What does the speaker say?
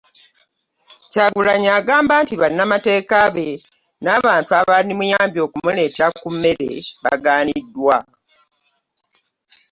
Kyagulanyi agamba nti bannamateeka be n'abantu abandimuyambye okubaleetera ku mmere bagaaniddwa